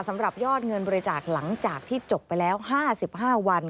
สำหรับยอดเงินบริจาคหลังจากที่จบไปแล้ว๕๕วัน